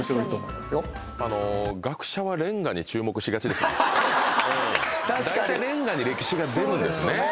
だいたいレンガに歴史が出るんですね。